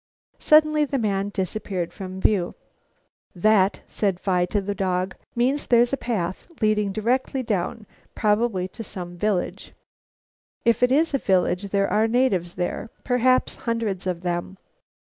Suddenly the man disappeared from view. "That," said Phi to the dog, "means there's a path leading directly down, probably to some village. If it is a village there are natives there perhaps hundreds of them.